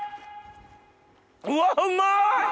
うわっうまい！